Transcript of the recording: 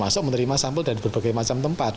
masuk menerima sampel dari berbagai macam tempat